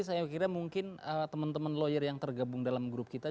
saya kira mungkin teman teman lawyer yang tergabung dalam grup kita